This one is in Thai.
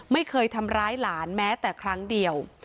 ไม่เคยทำร้ายหลานแม้แต่ครั้งเดียว